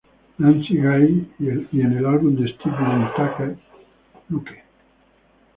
Nice Guy" y en el álbum de Steve Lukather "Luke".